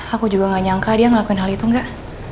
aku juga gak nyangka dia ngelakuin hal itu enggak